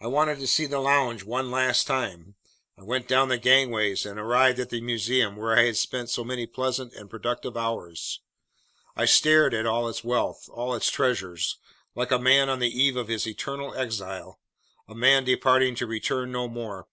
I wanted to see the lounge one last time. I went down the gangways and arrived at the museum where I had spent so many pleasant and productive hours. I stared at all its wealth, all its treasures, like a man on the eve of his eternal exile, a man departing to return no more.